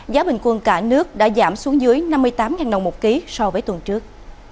giá bình quân cả nước đã giảm xuống dưới năm mươi tám đồng một ký so với tuần trước